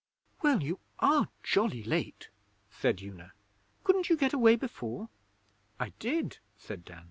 'Well, you are jolly late,' said Una. 'Couldn't you get away before?' 'I did,' said Dan.